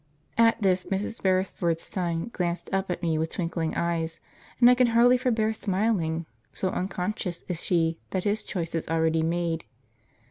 At this Mrs. Beresford's son glances up at me with twinkling eyes, and I can hardly forbear smiling, so unconscious is she that his choice is already made.